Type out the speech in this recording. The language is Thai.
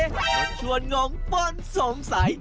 ชักชวนงงป้นสงสัย